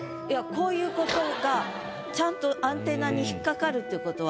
こういうことがちゃんとアンテナに引っかかるっていうことは。